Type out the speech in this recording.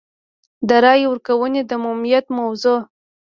د رایې ورکونې د عمومیت موضوع.